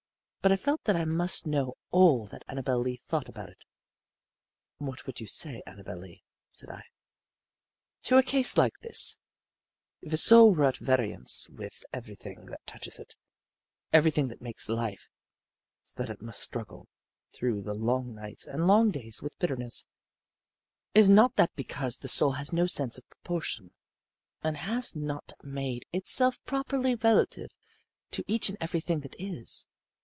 But I felt that I must know all that Annabel Lee thought about it. "What would you say, Annabel Lee," said I, "to a case like this: If a soul were at variance with everything that touches it, everything that makes life, so that it must struggle through the long nights and long days with bitterness, is not that because the soul has no sense of proportion, and has not made itself properly relative to each and everything that is?